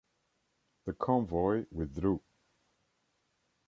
The convoy withdrew.